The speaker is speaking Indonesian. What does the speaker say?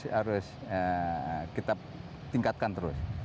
kita harus tingkatkan terus